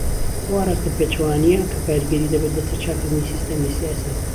ئەو ئاراستە پێچەوانیە کە کاریگەری دەبێت لەسەر چاکردنی سیستەمی سیاسی.